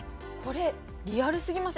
リアルすぎません？